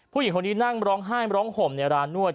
ผู้หญิงคนนี้นั่งร้องไห้ร้องห่มในร้านนวด